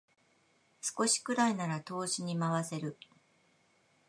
少しくらいなら投資に回せる